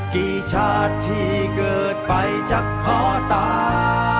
กี่ชาติที่เกิดไปจากขอตา